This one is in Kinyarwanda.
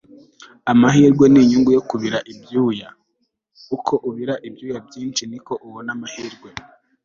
amahirwe ni inyungu yo kubira ibyuya. uko ubira ibyuya byinshi, niko ubona amahirwe. - ray kroc